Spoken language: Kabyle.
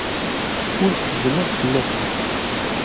Ur ttezzmeɣ fell-asent.